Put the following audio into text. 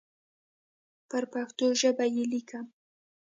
پر پښتو ژبه یې لیکم.